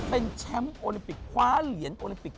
เป็นแชมป์โอลิมปิกคว้าเหรียญโอลิมปิก